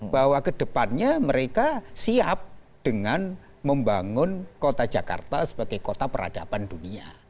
bahwa kedepannya mereka siap dengan membangun kota jakarta sebagai kota peradaban dunia